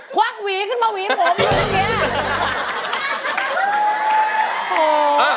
ควักหวีขึ้นมาหวีผมลูกเนี่ย